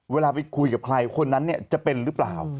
เวลาไปคุยกับใครคนนั้นจะเป็นหรือเปล่า